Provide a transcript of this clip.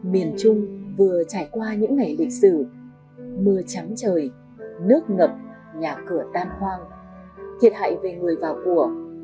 miền trung vừa trải qua những ngày lịch sử mưa trắng trời nước ngập nhà cửa tan hoang thiệt hại về người và của